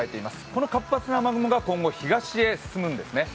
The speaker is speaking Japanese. この活発な雨雲が今後、東へ進むんですね。